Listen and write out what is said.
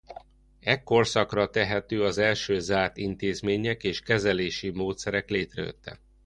E korszakra tehető az első zárt intézmények és kezelési módszerek létrejötte.